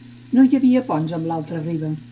No hi havia ponts amb l'altra riba.